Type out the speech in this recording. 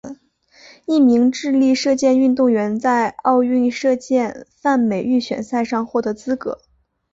一名智利射箭运动员在奥运射箭泛美预选赛上获得资格。